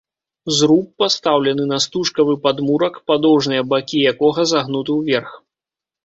Зруб пастаўлены на стужкавы падмурак, падоўжныя бакі якога загнуты ўверх.